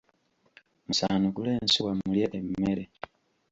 Musaanukule ensuwa mulye emmere.